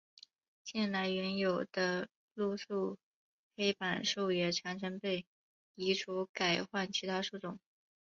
近来原有的路树黑板树也常常被移除改换其他树种。